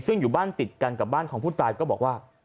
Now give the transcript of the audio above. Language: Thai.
ซึ่งอยู่บ้านติดกันกับบ้านของผู้ตายก็บอกว่า